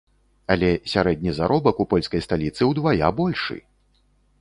Але сярэдні заробак у польскай сталіцы ўдвая большы!